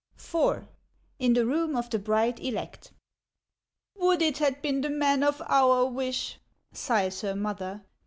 IV IN THE ROOM OF THE BRIDE ELECT "WOULD it had been the man of our wish!" Sighs her mother.